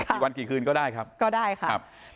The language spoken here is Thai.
อีกวันกี่คืนก็ได้ครับก็ได้ค่ะ